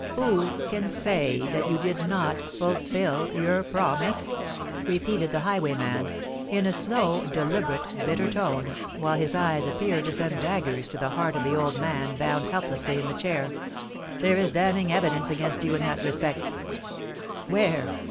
"Who can say that you did not fulfil your promise?" repeated the highwayman, in a slow—deliberate—bitter tone, while his eyes appeared to send daggers to the heart of the old man bound helplessly in the chair. "There is damning evidence against you in that respect!" "Where?